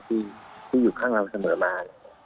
ที่อยู่ข้างเราเสมอมา